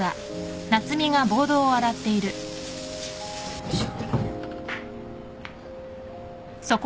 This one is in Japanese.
よいしょ。